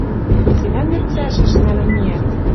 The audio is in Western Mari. Цилӓн вет цӓшӹш нӓлӹн миӓт.